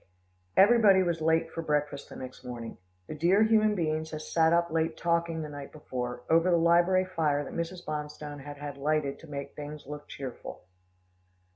Everybody was late for breakfast the next morning. The dear human beings had sat up late talking the night before, over the library fire that Mrs. Bonstone had had lighted to make things look cheerful.